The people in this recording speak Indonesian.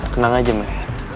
tenang aja men